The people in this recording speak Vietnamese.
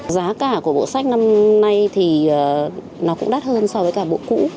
giá cả của bộ sách năm nay thì nó cũng đắt hơn so với cả bộ cũ